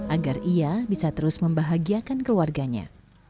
agar ia bisa terus membahagiakan keluarganya